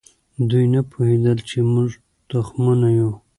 دوی نه پوهېدل چې موږ تخمونه یو.